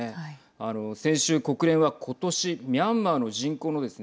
あの先週国連は今年ミャンマーの人口のですね